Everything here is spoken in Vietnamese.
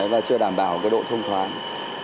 và chưa đảm bảo cái độ thông thoáng